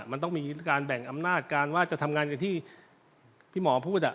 มันต้องมีการแบ่งอำนาจการว่าจะทำงานอย่างที่พี่หมอพูด